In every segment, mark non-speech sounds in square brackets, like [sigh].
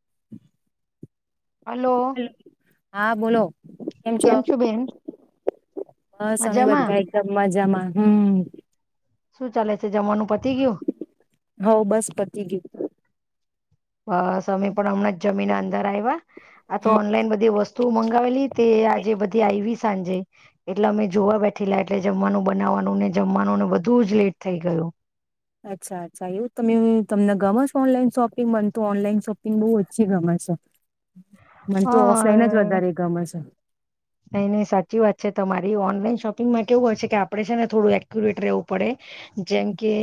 [inaudible] hello હા બોલો કેમ છ છો બેન બસ અમે મજામાં બધા એકદમ મજામાં હમ શું ચાલે છે જમવાનું પ હ બસ પતિ ગય બસ અમે પણ હમણાં જમીન અંદર આવ્યા આ તો હમ ઓનલાઈન બધી વસ્તુ મંગાવેલી તે આજે બધી આવી સાંજે એટલે અમે જોવા બેઠેલા એટલે જમવાનું બનાવવાનું ને જમવાનું ને બધું જ લેટ થઇ ગયું અચ્છા અચ્છા એવું તમે તમને ગમેશો ઓનલાઈન શોપિંગ બનતું ઓનલાઈન શોપિંગ બહુ ઓછી ગમેશે મને હ તો ઓફલાઈન જ વધારે ગમેશે નહી નહી સાચી વાત છે તમારી ઓનલાઈન શોપિંગમાં કેવું હોય છે કે આપડે છે ને થોડું એક્યુરેટ રહેવું પડે જેમ કે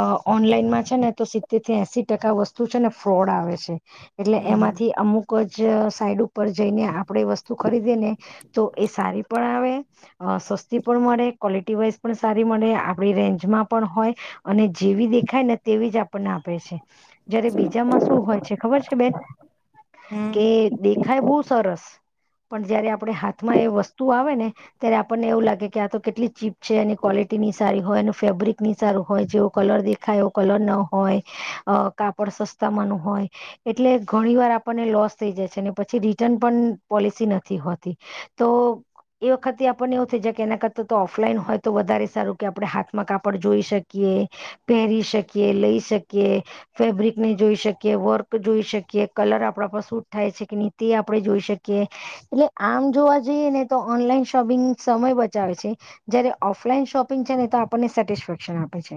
અ ઓનલાઈનમાં છે ને તો સિત્તેર થી એસી ટકા વસ્તુ છે ને ફ્રોડ આવે છે એટલે હમ એમાંથી અમુક કો જ સાઈડ ઉપ ઉપર જઈને આપણેે વસ્તુ ખરીદીે ને તો એ સારી પણ આવે સસ્તી પણ મળે ક્વલિટી વાઈઝ પણ સારી મળે આપણી રેન્જમાં પણ હોય અને જેવી દેખાય ને તેવી જ આપણને આપે છે જયારે બીજામાં શું હોય છે ખબર છે બેન હમ કે દેખાય બહુ સરસ પણ જયારે આપણે હાથ અમાં એ વસ્ુ તું આવે ને ત્યારે આપણને એવું લાગે કે આ તો કેટલી ચીપ છે એની ક્વોલિટી ની સારી હોય એનું ફેબ્રિક ની સારું હોય જેવું કલર દેખાયો કલર ન હોય કાપડ સસ્તામાં ન હોય એટલે ઘણી વાર આપણને લોસ થઈ જાય છે પછી રિટર્ન પણ પોલિસી નથી હોતી તો એ વખતે આપણને એવું થઇ જાય કે એના કરતા તો ઓફલાઈન હોય તો વધારે સારું કે આપણે હાથમાં કાપડ જોઈ શકીએ પહેરી શકીએ લઈ શકીએ ફેબ્રિકને જોઈ શકીએ વર્ક જોઈ શકીએ કલર આપડા પાસૂટ થાય છે કે નહી તે આપણે જોઈ શકીએ એટલે આમ જોવા એ ને તો ઓનલાઈન શોપિંગ સમય બચાવે છે જયારે ઓફલાઈન શોપિંગ છે ને તો આપણને સેટિસ્ફેક્શન આપે છે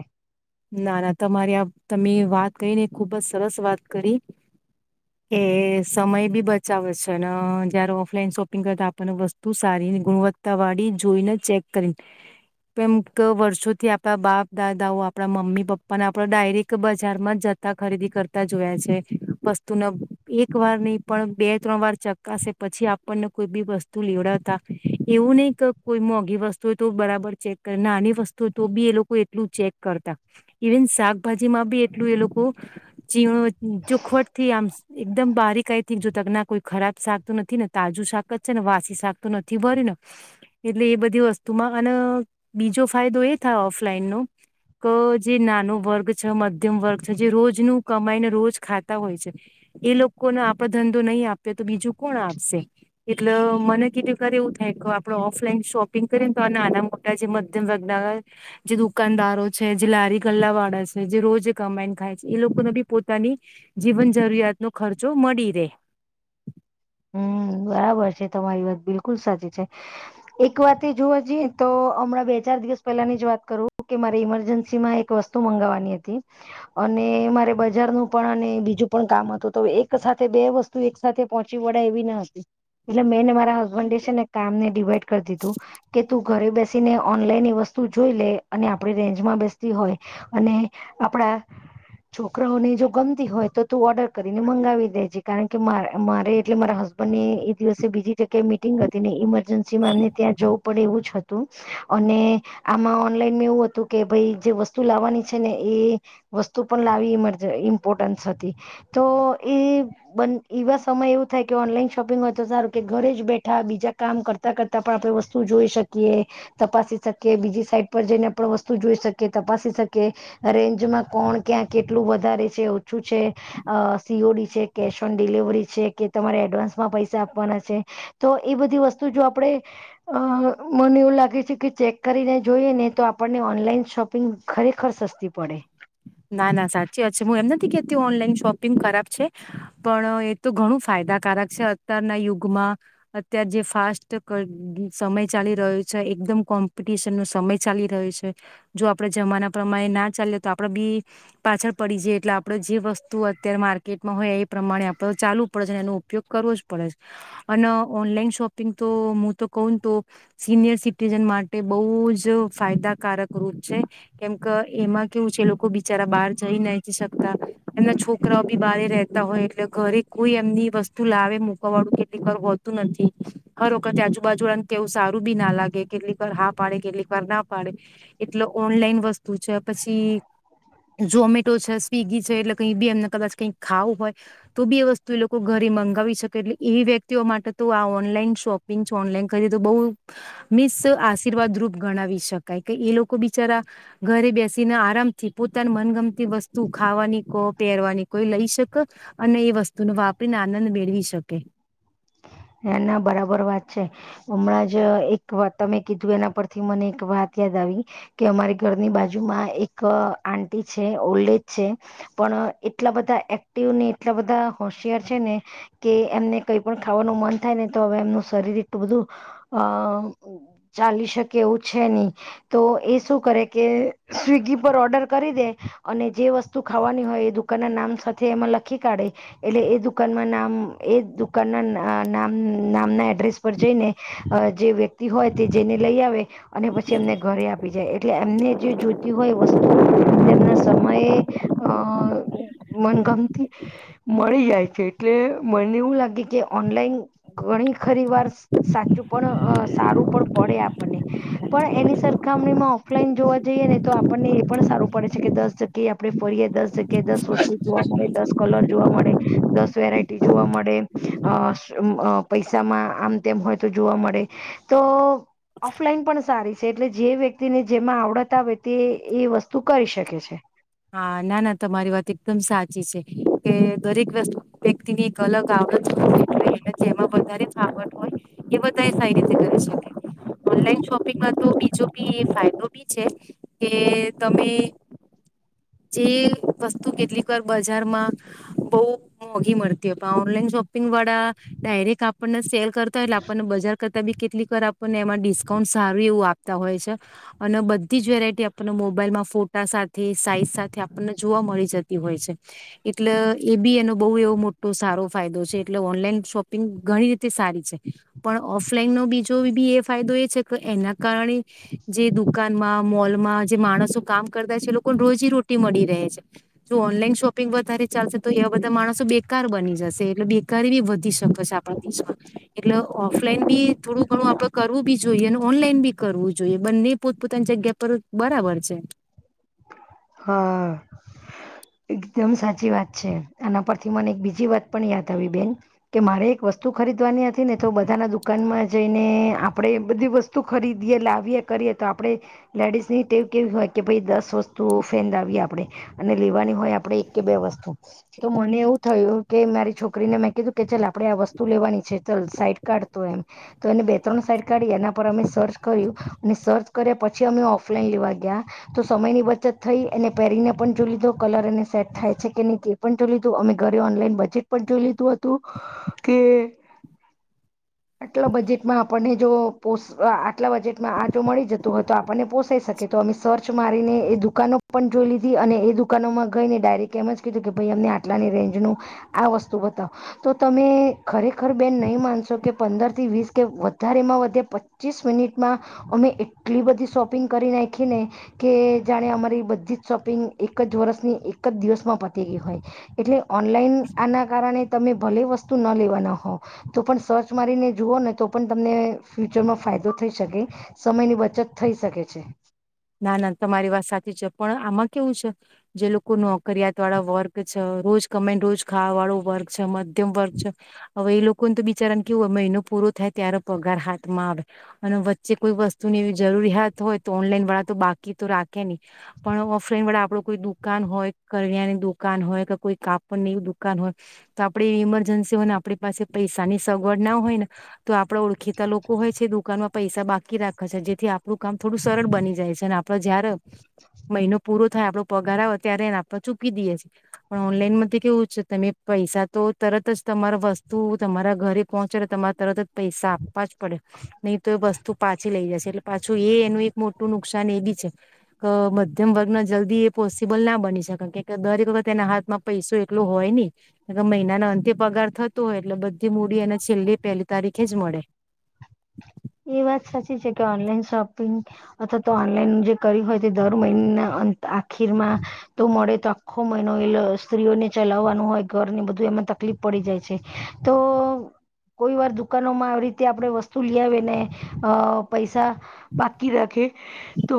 ના ના તમારી આ તમે વાત કરી ને ખુબ જ સરસ વાત કરી એ સમય બી બચાવે છે જયારે ઓફલાઈન શોપિંગ કર આપણને વસ્તુ સારી ગુણવત્તા વાળી જોઈને ચેક કરી કેમ કે વર્ષોથી આપણા બાપ દાદાઓ આપણા મમ્મી પપ્પાને આપણે ડાયરેક્ટ બજારમાં જ જતા ખરીદી કરતા જોયા છે વસ્તુને એક વાર નહી પણ બે ત્રણ વાર ચકાશે પછી આપણને કોઈ બી વસ્તુ લેવડાવતા એવું નહીિ કે કોઈ મોંઘી વસ્તુ હોય તો બરાબર ચેક કર નાની વસ્તુ હોય તો બી એ લોકો એટલું ચેક કરતા ઇવન શાકભાજીમાં બી એટલું એ લોકો ચીણો જોુખવટ થી આમ એકદમ બારીકઈ થી જો તક ના કોઈ ખરાબ શાક તો નથી ને તાજું શાક જ છે ને વાસી શાક તો નથી ભરી ને એટલે એ બધી વસ્તુમાં અને બીજો ફાયદો એ થાય ઓફલાઈન નો જે નાનો વર્ગ છે મધ્યમ વર્ગ છે જે રોજનું કમાઈને રોજ ખાતા હોય છે એ લોકોને આપડે ધંધો નહીં આપ્યો તો બીજું કોણ આપશે એટલે મને કીધું ખરે એવું થાય કે આપડ ઓફલાઈન શોપિંગ કરીએને તો આના મધ્યમ વગ્ન જે દુકાનદાર હોય છે જે લારી કલા વાળા છે જે રોજ કમાઈને ખાય છે એ લોકોને બી પોતાની જીવન જરૂરિયાત નો ખર્ચો મળી રહે હમ બરાબર છે તમારી વાત બિલકુલ સાચી છે એક વાત જોવા જઈએ તો હમણાં બે ચાર દિવસ પહેલાની જ વાત કરું કે મારે ઈમરજન્સી માં એક વસ્તુ મંગાવવાની હતી અને મારે બજારનુંું પણ અને બીજું પણ કામ હતું તો એક સાથે બે વસ્તુ એક સાથે પહોચ એવી એટલે મેને મારા હબન્ે છે ને કામને ડિવાઈડ કરી દીધું કે તું ઘરે બેસીને ઓનલાઈન એ વસ્તુ જોઈ લે અને આપણી રેન્જ માં બેસતી હોય અને આપડા છોકરાઓને જો ગમતી હોય તો તું ઓર્ડર કરીને મંગાવી દેજે કારણ કે મારે એટલે મારા હસબન્ડને એ દિવસે બીજી જગ્યાએ મિટિંગ હતી ને ઈમરજન્સીમાં અમને ત્યાં જવું પડે એવું જ હતું અને આમાં ઓનલાઈન મે એવું હતું કે ભાઈ જે વસ્તુ લાવવાની છે ને એ વસ્તુ પણ લાવી મજ ઇમ્પોર્ટન્સ હતી તો એ બ એવા સમય એવું થાય કે ઓનલાઈન શોપિંગ હોય તો સારું કે ઘરે જ બેઠા બીજા કામ કરતા કરતા પણ આપણે વસ્તુ જોઈ શકીએ તપાસી શકીએ બીજી સાઈટ પર જઈને પણ વસ્તુ જોઈ શકીએ તપાસી શકીએ રેન્જમાં કોણ ક્યાં કેટલું વધારે છે ઓછું છે સીઓડી છે કેશ ઓન ડિલવરી છે કે તમારે એડવાન્સમાં પૈસા આપવાના છે તો એ બધી વસ્તુ જો આપણેે અ મને એવું લાગે છે કે ચેક કરીને જોઈએ ને તો આપણને ઓનલાઈન શોપિંગ ખરેખર સસ્તી પડે ના ના સાચી વાત છે હું એમ નથી કેતી ઓનલાઈન શોપિંગ કરરાબ છે પણ એ તો ઘણું ફાયદાકારક છે અત્યારના યુગમાં અત્યાર જે ફાસ્ટ સમય ચાલી રહ્યો છે એકદમ કોમ્પિટિશન નો સમય ચાલી રહ્યો છે જો આપણેે જમાના પ્રમાણે ના ચાલે તો આપણે બી પાછળ પડી જઈ એટલે આપણે જે વસ્તુ અત્યારે માર્કેટમાં હોય એ પ્રમાણે આપણે ચાલવુ પડે છે એનો ઉપયોગ કરવો જ પડે છે અને ઓનલાઈન શોપિંગ તો હું તો કહ ને તો સિનિયર સિટીઝન માટે બહુ જ ફાયદાકારક રૂપ છે કેમ કે એમાં કેવું છે લોકો બિચારા બહાર જઈ ના શકતા એમના છોકરાઓ બી બાર રતા હોય એટલે ઘરે કોઈ એમની વસ્તુ લાવે મુકવા વાળું કેટલી વાર હોતું નથી હર વખત આજુબાજુને કેવું સારું બી ના લાગે કેટલી વાર હા પાડે કેટલી વાર ના પાડે એટલે ઓનલાઈન વસ્તુ છે પછી ઝોમેટો છે સ્વગી છે એટલે કઈ બી એમને કદાચ કઈ ખાવું હોય તો બી વસ્તુ એ લોકો ઘરે મંગાવી શકે એટલે એ વ્યક્તિઓ માટે તો આ ઓનલાઈન શોપિંગ છે ઓનલાઈન કરી તો બહ મિસ આશીર્વાદ રૂપ ગણાવી શકાય કે એ લોકો બિચારા ઘરે બેસે ના આરામથી પોતાની મનગમતી વસ્તુ ખાવાની કો પહેરવાની કોઈ લઈ શકે અને એ વસ્તુનો વાપરીને આનંદ મેળવી શકે ના ના બરાબર વાત છે હમણાં જ એક વાત તમે કીધું એના પરથી મને એક વાત યાદ આવી કે અમારી ઘરની બાજુમાં એક આંટી છે ઓલ્ડ એજ છે પણ એટલા બધા એક્ટિવ ને એટલા બધા હોશિયાર છે ને કે એમને કઈ પણ ખાવાનું મ થાય ને તો હવે એમનું શરીર એટલું બધું અ ચાલી શકે એવું છે નહી તો એ શું કરે કે સ્વગી પર ઓર્ડર કરી દે અને જે વસ્તુ ખાવાની હોય એ દુકાનના નામ સાથે એમાં લખી કાઢે એટલે એ દુકાનમાં નામ એ દુકાનના નામ નામના એડ્રેસ પર જઈને જે વ્યક્તિ હોય તે જેને લઈ આવે અને પછી એમને ઘરે આપ જાય એટલે એમને જે જોતી હોય વસ્તુ તેમના સમયે અ મનગમતી મળી જાય છે એટલે મને એવું લાગે કે ઓનલાઈન ઘણી ખરી વાર સાચું પણ સારું પણ પડે આપણને પણ એની સરખામણીમાં ઓફલાઈન જોવા જઈએ ને તો આપણને એ પણ સારું પડે છે કે દસ જગ્યાએ આપણે ફરીએ દસ જગ્યાએ દસ વસ્તુ જોવા મળે દસ કલર જોવા મળે દસ વેરાયટી જોવા મળે અ પૈસામાં આમ તેમ હોય તો જોવા મળે તો ઓફલાઈન પણ સારી છે એટલે જે વ્યક્તિને જેમાં આવડતા આવે તે એ વસ્તુ કરી શકે છે હા ના ના તમારી વાત એકદમ સાચી છે કે દરેક વતુ વ્યક્તિની એક અલગ આવતમાં વધ ફટ હોય એ બધા સારી રીતે કરી શકે ઓનલાઈન શોપિંગમાં તો બીજો બી ફાયદો બી છે કે તમે જે વસ્તુ કેટલીક વાર બજારમાં બહ મોંઘી મળતી પણ ઓનલાઈન શોપિંગ વાળા ડાયરેક્ટ આપણને સે કરતા હોયટલે આપણને બજાર કરતાં બી કેટલીક વાર આપણને એમાં ડિસ્કાઉન્ટ સારું એવું આપતા હોય છે અને બધી જ વેરાયટી આપણને મોબાઈલમાં ફોટા સાથે સાઈઝ આપને જોવા મળી જતી હોય છે એટલે એ બી એનો બહુ એવો મોટો સારો ફાયદો છે એટલે ઓનલાઈન શોપિંગ ઘણી રીતે સારી છે પણ ઓફલાઈન નો બીજો બી એ ફાયદો એ છે કે એના કારણે જે દુકાનમાં મોલમાં જે માણસો કામ કરતા છે એ લોકોને રોજ ર મળી રહે જો ઓનલાઈન શોપિંગ વધારે ચાલશે તો એવા બધા માણસો બેકાર બની જશે એટલે બેકાર બી વધી શકે છે આપ દ એટલે ઓફલાઈન બી થોડું ઘણું આપડે કરવું બી જોઈએ અને ઓનલાઈન બી કરવું જોઈએ બંને પોતપોતાની જગ્યા પર બરાબર છે હા એકદમ સાચી વાત છે આના પરથી મને એક બીજી વાત પણ યાદ આવી બેન કે મારે એક વસ્તુ ખરીદવાની હતી ને તો બધાના દુકાનમાં જઈ અને આપડે બધી વસ્તુ ખરીદીએ લાવીએ કરીએ તો આપડે લેડીઝ ની એવું કેવી હોય કે ભાઈ દસ વસ્તુ ત ફેંદાવી આપણે અને લેવાની હોય આપણેે એક કે બે વસ્તુ તો મને એવું થયું કે મારી છોકરીને મેં કીધું કે ચાલ આપણેે આ વસ્તુ લેવાની છે ચાલ સાઈટ કાઢતો એમ તો એને બે ત્રણ સાઈટ કાઢી એના પર અમે સર્ચ કર્યું અને સર્ચ કર્યા પછી અમે ઓફલાઈન લેવા ગયા તો સમયની બ પહેરીને પણ જો લીધો કલર એને સેટ થાય છે કે નહી એ પણ જોઈ લીધું અમે ઘરે ઓનલાઈન બજેટ પણ જોઈ લીધું હતું કે આટલા બજેટમાં આપણને જો પો આટલા બજેટમાં આ જો મળી જતું હોય તો આપણને પોસાઈ શકે તો અમે સર્ચ મારીને એ દુકાનો પણ જોઈ લીધી અને એ દુકાનોમાં ગઈને ડાયરેક્ટ એમ જ કીધું કે ભાઈ અમને આટલાની રેન્જનું આ વસ્તુ બતાવો તો તમે ખરેખર બેન નહીં માનશો કે પંદરથી વીસ કે વધારેમાં વધે પચીસ મિનિટમાં અમે એટલી બધી શોપિંગ કરી નાખીને કે જાણે અમા બધી જ શોપિંગ એક જ વર્ષની એક જ દિવસમાં પતી ગ હોય એટલે ઓનલાઈન આના કારણે તમે ભલે વસ્તુ ન લેવાના હોવ તો પણ સર્ચ મારીને જુઓ ને તો પણ તમને ફ્યુચરમાં ફાયદો થઈ શકે સમયની બચત થઈ શકે છે ના ના તમારી વાત સાચી છે પણ આમાં કેવું છે જે લોકો નોકરિયાત વાળા વર્ક છે રોજ કમે રોજ ખાવા વાળો વર્ક છે મ તેમમ ભરચ હવે એ લોકોને તો બિચારાને કેવુંય મહિનો પૂરો થાય ત્યારે પગાર હાથમાં આવે અને વચ્ચે કોઈ વસ્તુનીવી જરૂરિયાત હોય તો ઓનલાઈન વાળા તો બાકી તો રાખે ન પણ ઓફ્રેઈન વાળે આપડ કોઈ દુકાન હોય કરિયાની દુકાન હોય કે કોઈ કાપડની એવી દુકાન હોય તો આપડે એવી ઈમરજન્સી હોય ને આપણી પાસે પૈસાની સગવડ ના હોય ને તો આપડ ઓળખીતા લોકો હોય છે દ દુકાનમાં પૈસા બાકી રાખે છે જેથી આપણું કામ થોડું સરળ બની જાય છે આપડો જયારે મહિનો પૂરો થાય આપડો પગાર આવે ત્યારે એને આપડ ચૂકી દઈએ છીએ પણ ઓનલાઈનમાંથી કેવું છે તમે પૈસા તો તરત જ તમારા વસ્તુ તમારા ઘરે પહોંચે તમારે તરત જ પૈસા આપવા જ પડે નહીં તો એ વસ્તુ પાછી લઇ જશે એટલે પાછું એ એનું એક મોટું ન નુકસાન એ બી છે કે મધ્યમ વર્ગ ના જલ્દી એ પોસિબલ ના બની શકે કે દરેક વખત એના હાથમાં પૈસો એકલો હોય નને મહિનાનો અંતે પગાર થતો હોય એટલે બધી મૂડી એ છેલ્લી પહેલી તારીખે જ મળે એ વાત સાચી છે કે ઓનલાઈન શોપિંગ અથવા તો ઓનલાઈન જે કર હોય તે દર મહિનાના અ આખીરમાં તો મળે તો આખો મહિનો એ સ્ત્રીઓને ચલાવવાનું હોય ઘરને બધું એમાં તકલીફ પડી જાય છે તો કોઈ વાર દુકાનોમાં આવી રીતે આપડે વસ્તુ લ્યા આવે પૈસા બાકી રાખે તો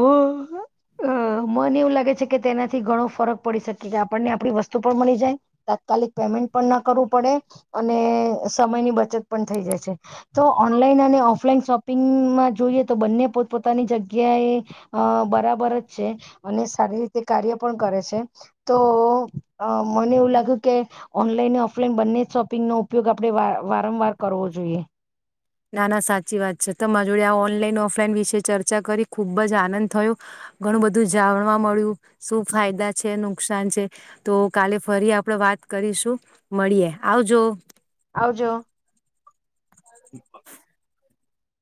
મને એવું લાગે છે કે તેનાથી ઘણો ફરક પડી શકે કે આપણને આપણી વસ્તુ પણ મળી જાય તાત્કાલિક પેમેન્ટ પણ ના કરવું પડે અને સમયની બચત પણ થઈ જાય છે તો ઓનલાઈન અને ઓફલાઈન શોપિંગમાં જોઈએ તો બંને પોતપોતાની જગ્યાએ બરાબર જ છે અને સારી રીતે કાર્ય પણ કરે છે તો મને એવું લાગ્યું કે ઓનલાઈન ઓફલાઈન બંને જ શોપિંગનો ઉપયોગ આપણે વારંવાર કરવો જોઈએ નાના સાચી વાત છે તમા જોડે આ ઓનલાઈન ઓફલાઈન વિશે ચર્ચા કરી ખુબ જ આનંદ થયો ઘણું બધું જાણવા મળ્યું શું ફાયદા છે નુકસાન છે તો કાલે ફરી આપણે વાત કરીશું મળીએ આવજો આવ જોો